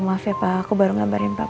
seseorang pilihklah tinggal dari rumah itu